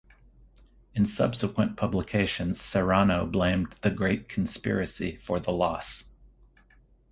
In subsequent publications Serrano blamed "the Great Conspiracy" for the loss.